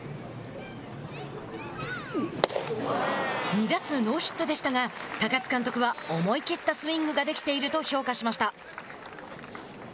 ２打数ノーヒットでしたが高津監督は思い切ったスイングができていると評価しました。